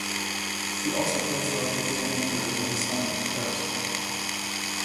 She also co-starred with Dana Andrews in Assignment - Paris!